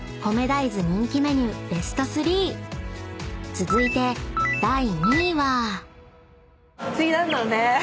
［続いて第２位は］